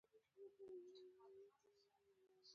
عيسی عليه السلام دعاء وکړه، الله ورته ځواب ورکړ